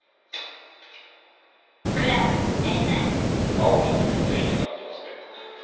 青野という店員がいますね？